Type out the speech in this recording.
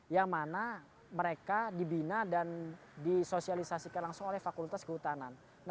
yang mana mereka dibina dan disosialisasikan langsung oleh fakultas kehutanan